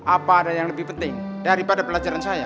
apa ada yang lebih penting daripada pelajaran saya